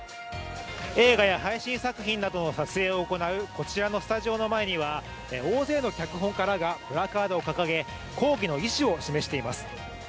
映画や配信作品などの撮影を行うこちらのスタジオの前には大勢の脚本家らがプラカードを掲げ抗議の意思を示しています。